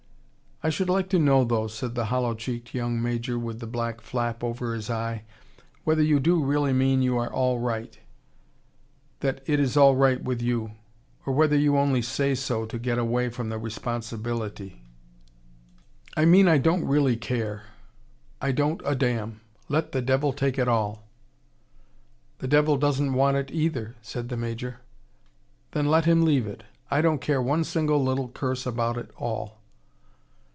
"I should like to know, though," said the hollow cheeked young Major with the black flap over his eye, "whether you do really mean you are all right that it is all right with you or whether you only say so to get away from the responsibility." "I mean I don't really care I don't a damn let the devil take it all." "The devil doesn't want it, either," said the Major. "Then let him leave it. I don't care one single little curse about it all."